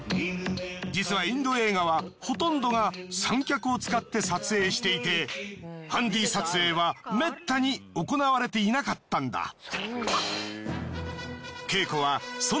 実はインド映画はほとんどが三脚を使って撮影していてハンディ撮影はめったに行われていなかったんだ。